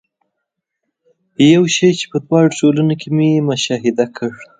یو شی چې په دواړو ټولنو کې مې مشاهده کړ.